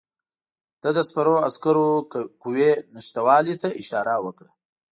ده د سپرو عسکرو قوې نشتوالي ته اشاره وکړه.